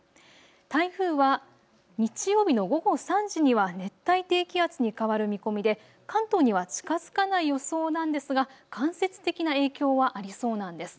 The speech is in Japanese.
台風は日曜日の午後３時には熱帯低気圧に変わる見込みで関東には近づかない予想なんですが間接的な影響はありそうなんです。